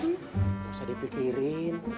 enggak usah dipikirin